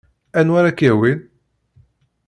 Anwa ara k-yawin?